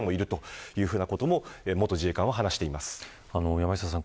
山下さん